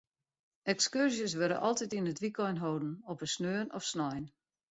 Ekskurzjes wurde altyd yn it wykein holden, op in sneon of snein.